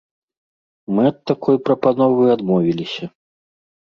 Мы ад такой прапановы адмовіліся.